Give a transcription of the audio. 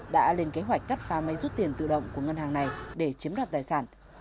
đã lên kế hoạch cắt phá máy rút tiền tự động của ngân hàng này để chiếm đoạt tài sản